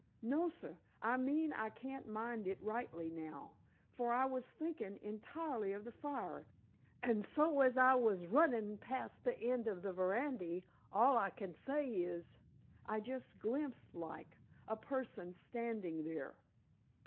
"No, sor. I mean I can't mind it rightly, now, for I was thinkin' intirely of the fire, and so as I was runnin' past the end of the verandy all I can say is, I just glimpsed like, a person standin' there."